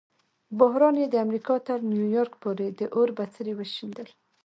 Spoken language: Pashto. بحران یې د امریکا تر نیویارک پورې د اور بڅري وشیندل.